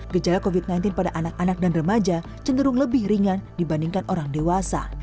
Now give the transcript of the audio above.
gejala covid sembilan belas pada anak anak dan remaja cenderung lebih ringan dibandingkan orang dewasa